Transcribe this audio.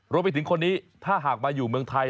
รวมไปถึงคนนี้ถ้าหากมาอยู่เมืองไทย